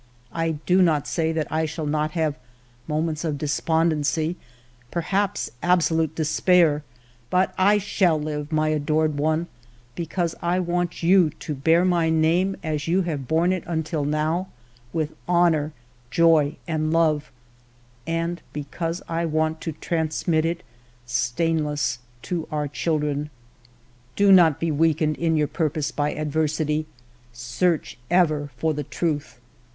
I do not say that I shall not have moments of despond ency, perhaps absolute despair. ... But I shall live, my adored one, because I want you to bear my name, as you have borne it until now, with honor, joy, and love ; and because I want to transmit it stainless to our children. 62 FIVE YEARS OF MY LIFE " Do not be weakened in your purpose by ad versity. Search ever for the truth.